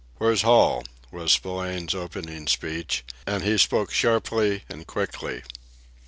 "Where's Hall?" was Spillane's opening speech, and he spoke sharply and quickly.